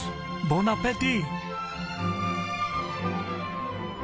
ボナペティ！